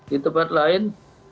di tempat lain